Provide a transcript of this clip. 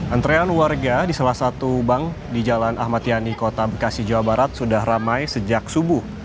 antrean warga di salah satu bank di jalan ahmad yani kota bekasi jawa barat sudah ramai sejak subuh